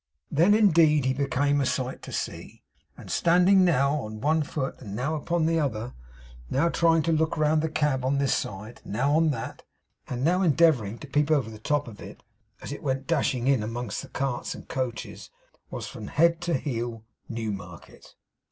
Then, indeed, he became a sight to see; and standing now on one foot and now upon the other, now trying to look round the cab on this side, now on that, and now endeavouring to peep over the top of it, as it went dashing in among the carts and coaches was from head to heel Newmarket.